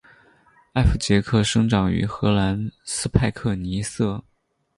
艾佛杰克生长于荷兰斯派克尼瑟。